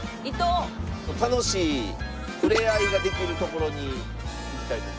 楽しい触れ合いができる所に行きたいと思います。